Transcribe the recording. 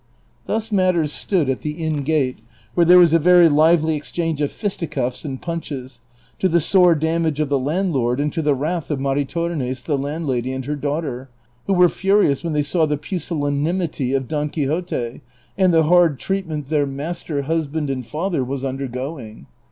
Thus matters stood at the inn gate, where there was a very lively exchange of fisticuffs and punches, to the sore damage of the landlord and to the wrath of Maritornes, the landlady, and her daughter, Avho were furious when they saw the pusil lanimity of Don Quixote, and the hard treatment their master, en AFTER XLIV. S81 husband, and father was undergoing.